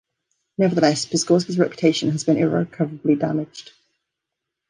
Nevertheless, Piskorski's reputation has been irrecoverably damaged.